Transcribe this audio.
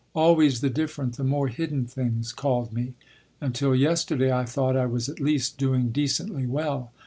Always the different, the more hidden things called me. Until yesterday I thought I was at least doing decently well.